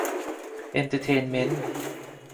เอนเตอร์เทนเม้นท์